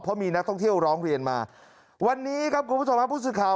เพราะมีนักต้องเที่ยวร้องเรียนมาวันนี้ครับกลุ่มผู้สมัครพูดสึกข่าว